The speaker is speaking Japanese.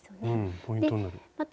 ポイントになる。